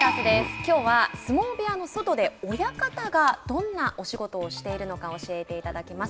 きょうは相撲部屋の外で親方がどんなお仕事をしているのか教えていただきます。